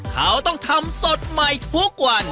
เขาต้องทำสดใหม่ทุกวัน